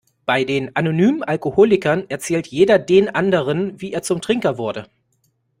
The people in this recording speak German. Bei den Anonymen Alkoholikern erzählt jeder den anderen, wie er zum Trinker wurde.